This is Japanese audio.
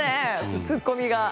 ツッコミが。